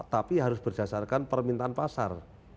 tapi harus berdasarkan permintaan pasar